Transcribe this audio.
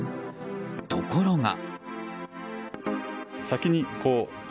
ところが。